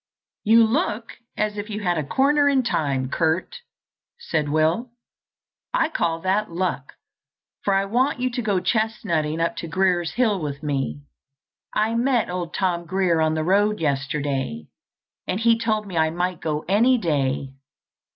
"You look as if you had a corner in time, Curt," said Will. "I call that luck, for I want you to go chestnutting up to Grier's Hill with me. I met old Tom Grier on the road yesterday, and he told me I might go any day.